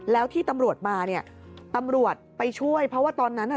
แล้วที่ตำรวจมาเนี่ยตำรวจไปช่วยเพราะว่าตอนนั้นน่ะ